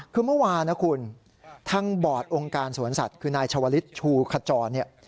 คือเมื่อวานนะคุณทางบอร์ดองค์การสวนสัตว์คือนายชาวลิศชูขจรเนี่ย